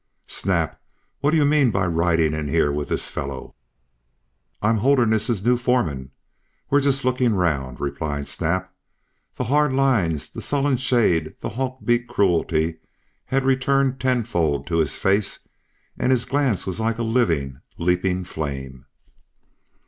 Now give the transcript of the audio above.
"Snap, what do you mean by riding in here with this fellow?" "I'm Holderness's new foreman. We're just looking round," replied Snap. The hard lines, the sullen shade, the hawk beak cruelty had returned tenfold to his face and his glance was like a living, leaping flame.